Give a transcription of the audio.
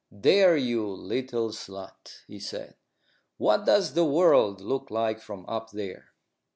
"There, you little slut," he said, "what does the world look like from up there?"